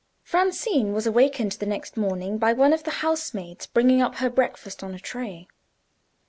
Francine was awakened the next morning by one of the housemaids, bringing up her breakfast on a tray.